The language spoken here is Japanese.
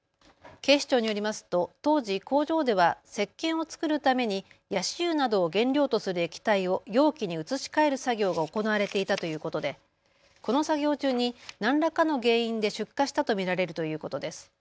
警視庁によりますと当時工場ではせっけんを作るためにヤシ油などを原料とする液体を容器に移し替える作業が行われていたということでこの作業中に何らかの原因で出火したと見られるということです。